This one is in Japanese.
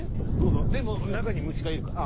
そうでも中に虫がいるから。